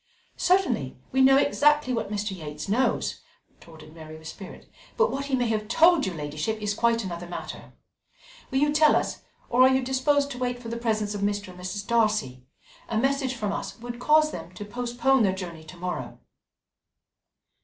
"Certainly, we know exactly what Mr. Yates knows," retorted Mary with spirit, "but what he may have told your ladyship is quite another matter. Will you tell us, or are you disposed to wait for the presence of Mr. and Mrs. Darcy? A message from us would cause them to postpone their journey to morrow."